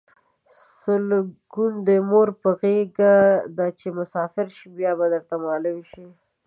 سوکون د مور په غیګه ده چی مسافر شی بیا به درته معلومه شی